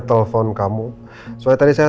telfon kamu soalnya tadi saya